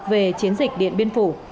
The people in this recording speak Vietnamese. về chiến dịch điện biên phủ